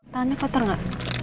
tangan kotor gak